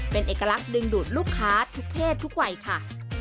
เป็นเอกลักษณ์ดึงดูดลูกค้าทุกเพศทุกวัยค่ะ